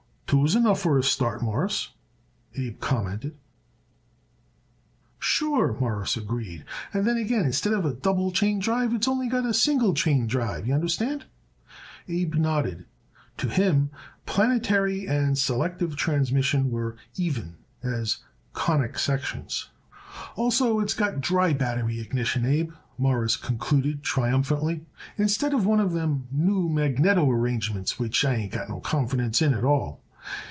"Two is enough for a start, Mawruss," Abe commented. "Sure," Morris agreed, "and then again instead of a double chain drive its only got a single chain drive, y'understand." Abe nodded. To him planetary and selective transmission were even as conic sections. "Also it's got dry battery ignition, Abe," Morris concluded triumphantly, "instead of one of them now magneto arrangements, which I ain't got no confidence in at all."